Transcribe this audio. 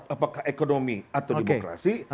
apakah ekonomi atau demokrasi